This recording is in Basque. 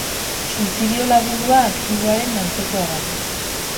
Suizidio lagundua aktiboaren antzekoa da.